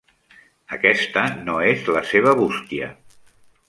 Aquesta no és la seva bústia.